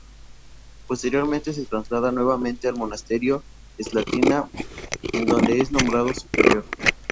Posteriormente se traslada nuevamente al Monasterio Slatina, en donde es nombrado Superior.